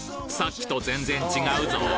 さっきと全然違うぞ！？